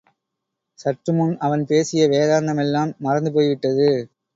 சற்றுமுன் அவன் பேசிய வேதாந்தமெல்லாம் மறந்துபோய் விட்டது.